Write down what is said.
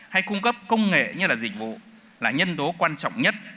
và giúp cấp công nghệ như là dịch vụ là nhân tố quan trọng nhất